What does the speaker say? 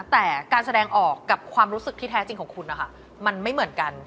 แต่การแสดงออกกับความรู้สึกที่แท้จริงของคุณนะคะมันไม่เหมือนกัน